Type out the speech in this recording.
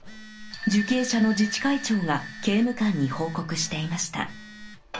受刑者の自治会長が刑務官に報告していました。